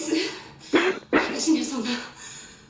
私にはそんな。